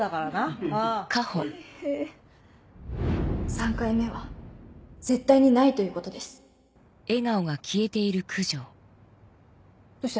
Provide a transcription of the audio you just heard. ３回目は絶対にないということですどうした？